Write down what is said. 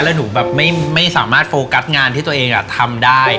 แล้วหนูแบบไม่สามารถโฟกัสงานที่ตัวเองทำได้